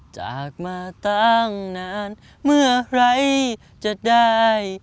จากมาตั้งนานเมื่อใครจะได้